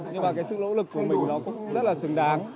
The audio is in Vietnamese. nhưng mà cái sự nỗ lực của mình nó cũng rất là xứng đáng